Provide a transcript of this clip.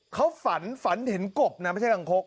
เขาฝันฝันเห็นกบนะไม่ใช่รังคก